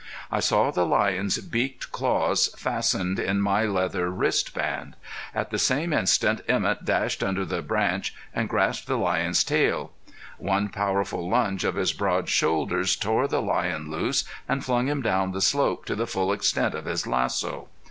I saw the lion's beaked claws fastened in my leather wrist band. At the same instant Emett dashed under the branch, and grasped the lion's tail. One powerful lunge of his broad shoulders tore the lion loose and flung him down the slope to the full extent of his lasso.